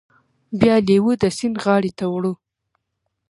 بیا لیوه د سیند غاړې ته وړو.